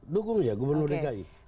dukung ya gubernur dki